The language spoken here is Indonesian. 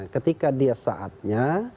ketika dia saatnya